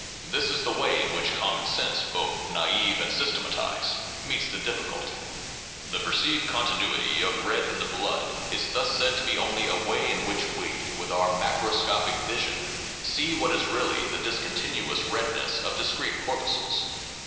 This is the way in which common sense, both naive and systematized, meets the difficulty. The per ceived continuity of red in the blood is thus said to be only a way in which we, with our macroscopic vision, see what is really the discontinuous redness of discrete corpuscles.